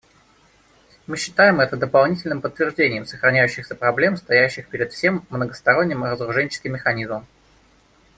Мы считаем это дополнительным подтверждением сохраняющихся проблем, стоящих перед всем многосторонним разоруженческим механизмом.